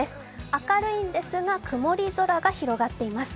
明るいんですが曇り空が広がっています。